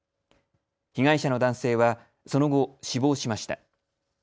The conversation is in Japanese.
被害者の男性はその後、死亡しました。